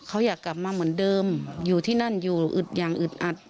เขาอยากกลับมาเหมือนเดิมอยู่ที่นั่นอยู่อึดอย่างอึดอัด